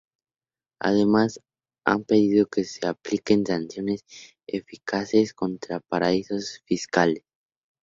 Además, han pedido que se apliquen sanciones eficaces contra paraísos fiscales.